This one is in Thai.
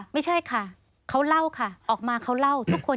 ไม่ใช่ค่ะเขาเล่าค่ะออกมาเขาเล่าทุกคน